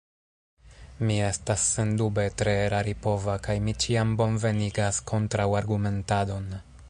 Mi estas sendube tre eraripova, kaj mi ĉiam bonvenigas kontraŭargumentadon.